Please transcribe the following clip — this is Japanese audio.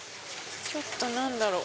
ちょっと何だろう？